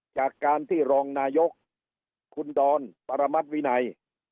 จากการที่รองนายกคุณดอนปรมัติวินัย